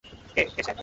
কে, কে সে?